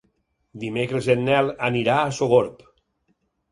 Dimecres en Nel anirà a Sogorb.